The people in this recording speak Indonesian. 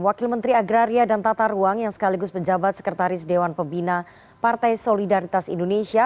wakil menteri agraria dan tata ruang yang sekaligus pejabat sekretaris dewan pembina partai solidaritas indonesia